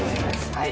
はい。